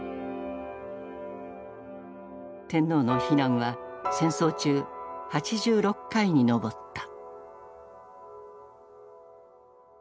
天皇の避難は戦争中８６回に上った。